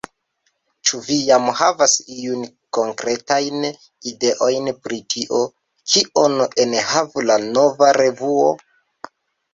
Ĉu vi jam havas iujn konkretajn ideojn pri tio, kion enhavu la nova revuo?